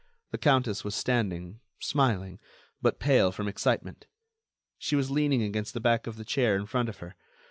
The countess was standing, smiling, but pale from excitement. She was leaning against the back of the chair in front of her.